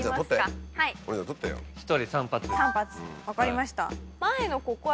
３発分かりました。